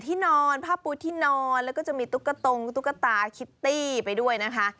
ที่นอนผ้าปูดที่นอนแล้วก็จะมีตุ๊กตงตุ๊กตาคิตตี้ไปด้วยนะคะ